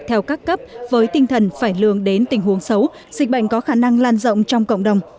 theo các cấp với tinh thần phải lương đến tình huống xấu dịch bệnh có khả năng lan rộng trong cộng đồng